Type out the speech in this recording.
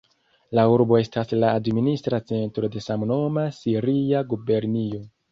La urbo estas la administra centro de samnoma siria gubernio.